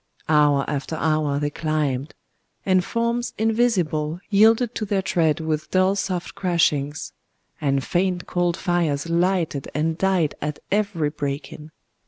Hour after hour they climbed;—and forms invisible yielded to their tread with dull soft crashings;—and faint cold fires lighted and died at every breaking.